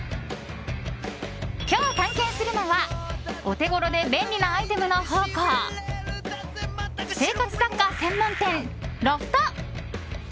今日、探検するのはお手頃で便利なアイテムの宝庫生活雑貨専門店ロフト。